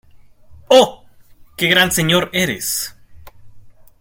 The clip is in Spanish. ¡ oh, qué gran señor eres!